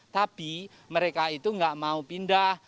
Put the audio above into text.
tapi mereka itu nggak mau pindah